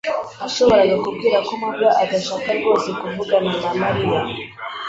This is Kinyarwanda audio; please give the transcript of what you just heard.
Nashoboraga kubwira ko mabwa adashaka rwose kuvugana na Mariya.